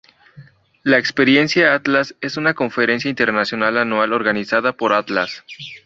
La Experiencia Atlas es una conferencia internacional anual organizada por Atlas.